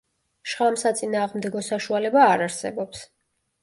შხამსაწინააღმდეგო საშუალება არ არსებობს.